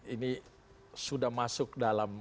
ini sudah masuk dalam